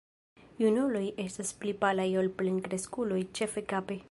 Junuloj estas pli palaj ol plenkreskuloj, ĉefe kape.